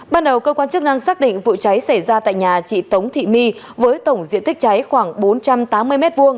ban đầu cơ quan chức năng xác định vụ cháy xảy ra tại nhà chị tống thị my với tổng diện tích cháy khoảng bốn trăm tám mươi m hai